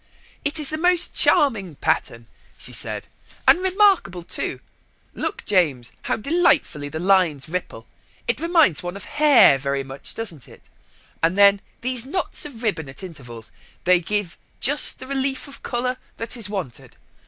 "It is a most charming pattern," she said, "and remarkable too. Look, James, how delightfully the lines ripple. It reminds one of hair, very much, doesn't it. And then these knots of ribbon at intervals. They give just the relief of colour that is wanted.